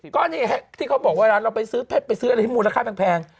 ก็นี่ที่เขาบอกเวลาเราไปซื้อเพชรไปซื้ออะไรที่มูลค่าแพง